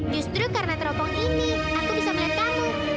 justru karena teropong ini aku bisa melihat kamu